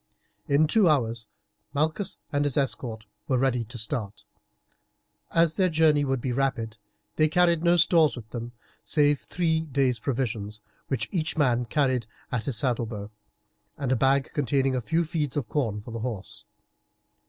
In two hours Malchus and his escort were ready to start. As their journey would be rapid they carried no stores with them, save three days' provisions, which each man carried at his saddlebow, and a bag containing a few feeds of corn for the horse.